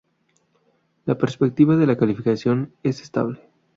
La perspectiva de la calificación es Estable.